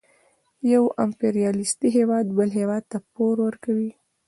یو امپریالیستي هېواد بل هېواد ته پور ورکوي